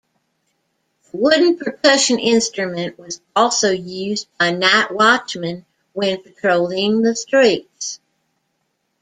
The wooden percussion instrument was also used by night-watchmen when patrolling the streets.